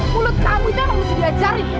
mulut kamu itu yang harus diajari